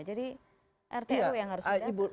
jadi rt rw yang harus mendata